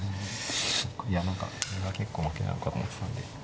いや何かこれは結構負けなのかと思ってたんで。